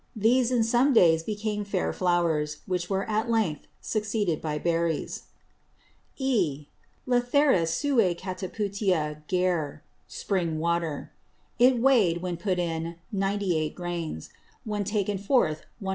These in some Days became fair Flowers, which were at length succeeded by Berries. (E.) Lathyris seu Cataputia Gerh. Spring Water. It weigh'd, when put in, Gr. 98. when taken forth, Gr.